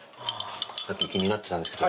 さっき気になってたんですけど